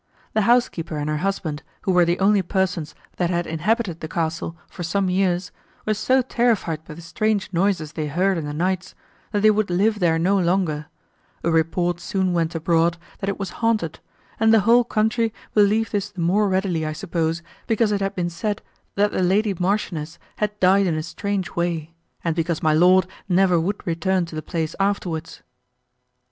The housekeeper and her husband, who were the only persons, that had inhabited the castle, for some years, were so terrified by the strange noises they heard in the nights, that they would live there no longer; a report soon went abroad, that it was haunted, and the whole country believed this the more readily, I suppose, because it had been said, that the lady marchioness had died in a strange way, and because my lord never would return to the place afterwards."